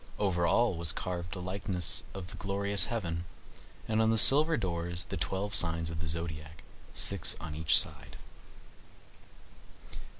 Over all was carved the likeness of the glorious heaven; and on the silver doors the twelve signs of the zodiac, six on each side.